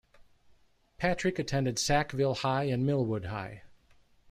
Patrick attended Sackville High and Millwood High.